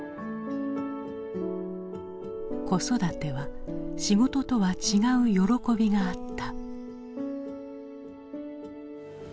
子育ては仕事とは違う喜びがあった。